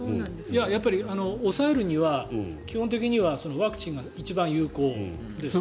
やっぱり抑えるには基本的にはワクチンが一番有効です。